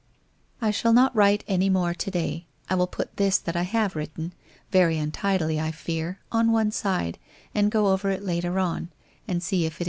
I shall not write any more to day, I will put this that I have written, very untidily, I fear, on one side, and go over it later on, and sec if it i.